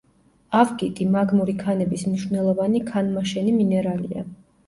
ავგიტი მაგმური ქანების მნიშვნელოვანი ქანმაშენი მინერალია.